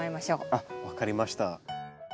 あっ分かりました。